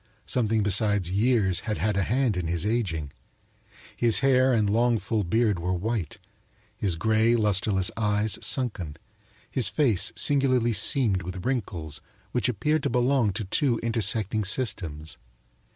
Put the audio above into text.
Something besides years had had a hand in his aging. His hair and long, full beard were white, his gray, lustreless eyes sunken, his face singularly seamed with wrinkles which appeared to belong to two intersecting systems.